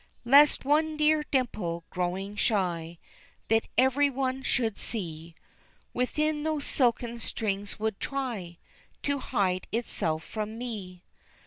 Lest one dear dimple growing shy That everyone should see, Within those silken strings would try To hide itself from me.